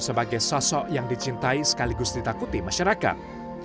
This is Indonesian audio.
sebagai sosok yang dicintai sekaligus ditakuti masyarakat